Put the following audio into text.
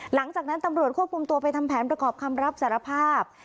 หลังจากนั้นตำรวจควบคุมตัวไปทำแผนประกอบคำรับสารภาพ